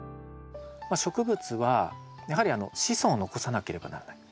植物はやはり子孫を残さなければならない。